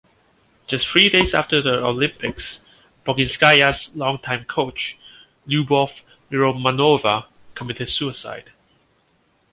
Just three days after the Olympics, Boginskaya's longtime coach, Lyubov Miromanova, committed suicide.